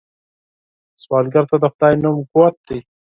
سوالګر ته د خدای نوم قوت دی